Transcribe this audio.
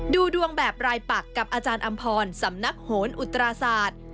ดูดวงแบบรายปักกับอาจารย์อำพรสำนักโหนอุตราศาสตร์